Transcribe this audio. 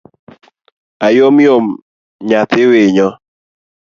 Ayomyom nyathi winyo